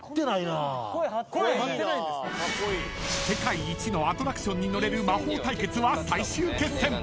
［世界一のアトラクションに乗れる魔法対決は最終決戦］